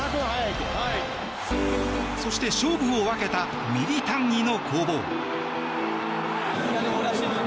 そして、勝負を分けたミリ単位の攻防。